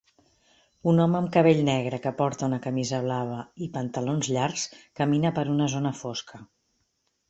Un home amb cabell negre que porta una camisa blava i pantalons llargs camina per una zona fosca.